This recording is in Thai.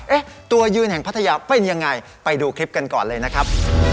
ตัวยืนแห่งพัทยาเป็นยังไงไปดูคลิปกันก่อนเลยนะครับ